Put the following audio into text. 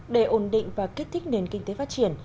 để ổn định và kích thích nền kinh tế phát triển